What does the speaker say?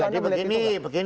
anda melihat itu tidak